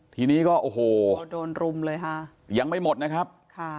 ทีนี้ก็โอ้โหโดนรุมเลยค่ะยังไม่หมดนะครับค่ะ